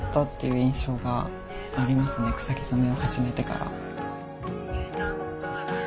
草木染めを始めてから。